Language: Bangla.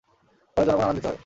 ফলে জনগণ আনন্দিত হয়।